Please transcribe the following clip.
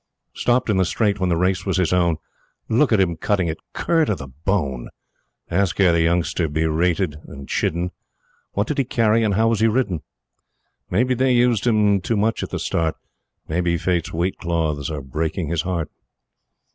"Stopped in the straight when the race was his own! Look at him cutting it cur to the bone!" "Ask ere the youngster be rated and chidden, What did he carry and how was he ridden? Maybe they used him too much at the start; Maybe Fate's weight cloths are breaking his heart."